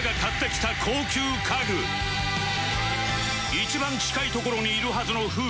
一番近い所にいるはずの夫婦